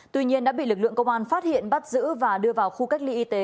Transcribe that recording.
tuy nhiên đã bị lực lượng công an phát hiện bắt giữ và đưa vào khu cách ly y tế